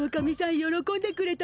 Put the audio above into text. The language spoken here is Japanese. よろこんでくれた。